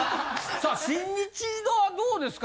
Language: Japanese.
さあ新日はどうですか？